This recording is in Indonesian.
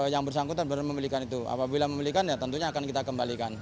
yang bersangkutan baru memiliki itu apabila memiliki ya tentunya akan kita kembalikan